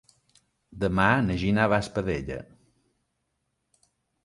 Demà na Gina va a Espadella.